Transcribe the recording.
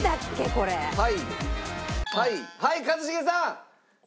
はい一茂さん！